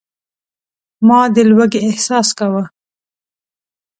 ما د لوږې احساس کاوه.